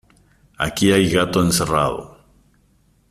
Aquí hay gato encerrado.